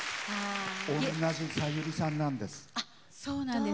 同じさゆりさんなんです。